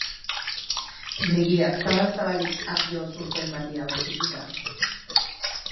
Begiak zabal-zabalik, apio zurtoin bati ausikika.